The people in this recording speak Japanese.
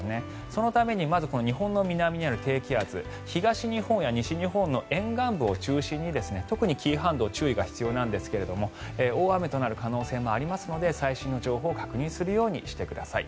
そのために日本の南にある低気圧西日本や東日本の沿岸部を中心に特に紀伊半島は注意が必要なんですが大雨となる可能性もありますので最新情報を確認してください。